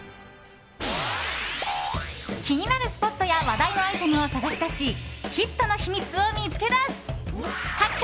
気になるスポットや話題のアイテムを探し出しヒットの秘密を見つけ出す発見！